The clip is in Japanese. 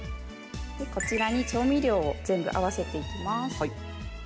こちらに調味料を全部合わせていきます。